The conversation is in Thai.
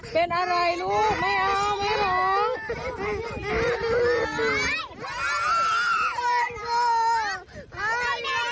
เป็นอะไรลูกไม่เอาไม่เอา